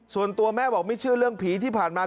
ส่วนตัวแม่บอกไม่เชื่อเรื่องผีที่ผ่านมา